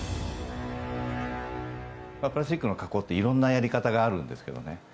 プラスチックの加工っていろんなやり方があるんですけどね。